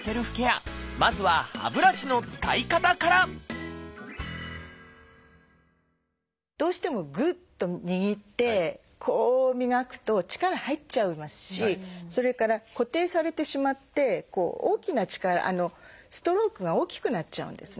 まずは歯ブラシの使い方からどうしてもグッと握ってこう磨くと力入っちゃいますしそれから固定されてしまって大きな力ストロークが大きくなっちゃうんですね。